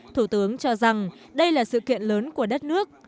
thủ tướng cho rằng đây là sự kiện lớn của đất nước